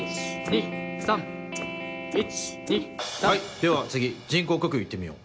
では次人工呼吸行ってみよう。